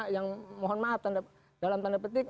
yang mohon maaf dalam tanda petik